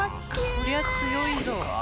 こりゃ強いぞ。